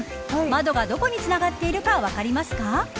窓がどこにつながっているか分かりますか。